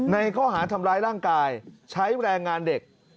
ในข้อหาทำร้ายร่างกายใช้แรงงานเด็ก